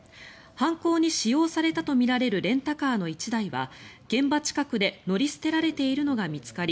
犯行に使用されたとみられるレンタカーの１台は現場近くで乗り捨てられているのが見つかり